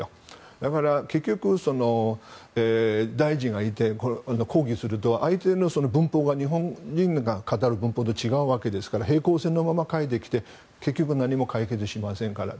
だから結局、大臣が行って抗議すると、相手の文法が日本人が語る文法と違うわけですから平行線のまま帰ってきて結局、何も解決しませんから。